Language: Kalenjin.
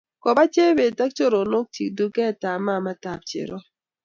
koba Chebet ago chorondochik duketab mamatab cherop